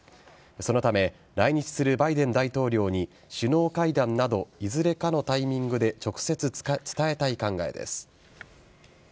そのため来日するバイデン大統領に首脳会談などいずれかのタイミングで直接、伝えたい考えです。